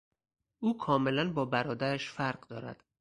او کاملا با برادرش فرق دارد.